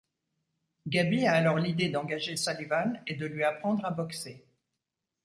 Gaby a alors l'idée d'engager Sullivan et de lui apprendre à boxer.